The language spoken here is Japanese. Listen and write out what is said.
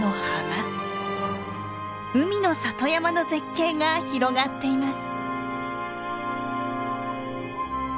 海の里山の絶景が広がっています。